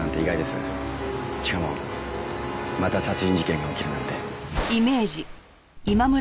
しかもまた殺人事件が起きるなんて。